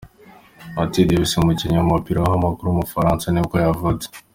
Mathieu Debuchy, umukinnyi w’umupira w’amaguru w’umufaransa nibwo yavutse.